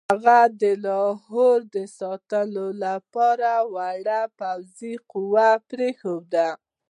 هغه د لاهور د ساتلو لپاره وړه پوځي قوه پرېښودله.